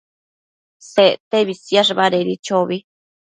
Sectebi siash badedi chobi